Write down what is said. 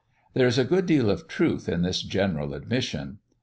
There is a good deal of truth in this general admission.